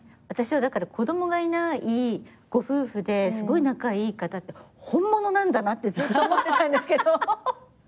私はだから子供がいないご夫婦ですごい仲いい方って本物なんだなってずっと思ってたんですけど。